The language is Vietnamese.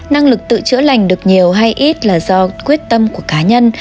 năng lực tự chữa lành được nhiều hay ít là do quyết tâm của cá nhân